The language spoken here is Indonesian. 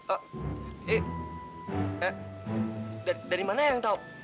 eh eh eh dari mana eang tau